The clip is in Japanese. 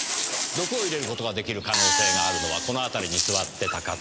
毒を入れることができる可能性があるのはこの辺りに座ってた方。